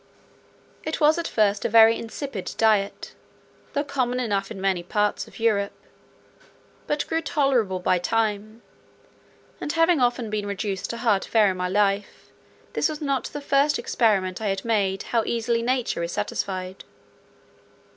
It was at first a very insipid diet, though common enough in many parts of Europe, but grew tolerable by time; and having been often reduced to hard fare in my life, this was not the first experiment I had made how easily nature is satisfied.